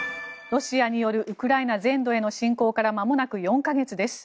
ロシアによるウクライナ全土への侵攻からまもなく４か月です。